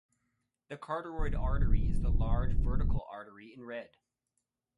The carotid artery is the large vertical artery in red.